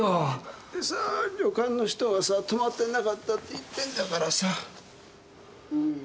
だってさ旅館の人がさ「泊まってなかった」って言ってんだからさ。